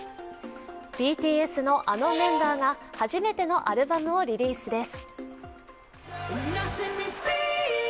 ＢＴＳのあのメンバーが初めてのアルバムをリリースです。